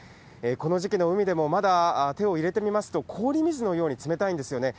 この時期の海でも、まだ手を入れてみますと、氷水のように冷たいんですよね。